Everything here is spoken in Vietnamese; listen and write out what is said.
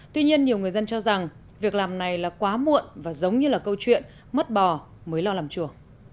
tuy nhiên nhiều người dân cho rằng việc làm này là quá muộn và giống như là câu chuyện mất bò mới lo làm chua